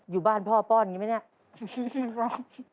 อยู่บ้านพ่อป้อนอย่างนี้ไหมเนี่ย